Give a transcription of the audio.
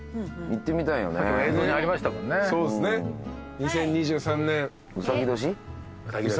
２０２３年。